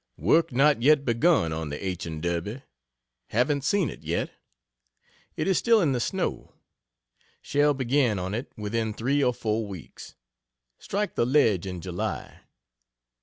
Work not yet begun on the H. and Derby haven't seen it yet. It is still in the snow. Shall begin on it within 3 or 4 weeks strike the ledge in July.